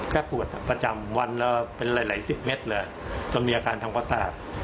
ปวดประจำวันละเป็นหลายสิบเมตรเลยจนมีอาการทางประสาท